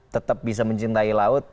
tetep bisa mencintai laut